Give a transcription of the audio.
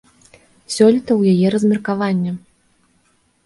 Сёлета ў яе размеркаванне.